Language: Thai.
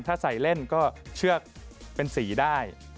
ถ้าใส่เล่นก็เชือกเป็นสีได้